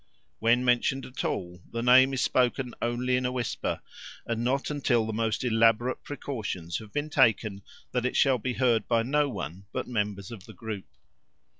When mentioned at all, the name is spoken only in a whisper, and not until the most elaborate precautions have been taken that it shall be heard by no one but members of the group.